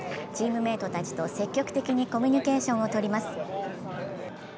チームメイトたちと積極的にコミュニケーションをとります。